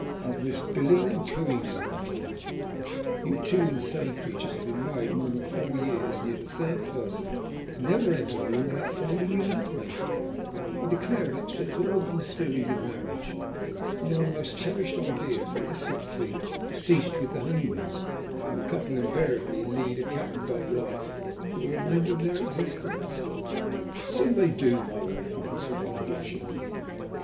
"Of this billing and cooing," the other replied. "You two insane creatures have been married more than four years, and yet a third person can never enter the room without finding you love making. I declare it upsets all one's theories of marriage. One of my most cherished ideas was that this sort of thing ceased with the honeymoon, and that the couple invariably lead a cat and dog life for the remainder of their existence." "So they do," my wife answered unblushingly.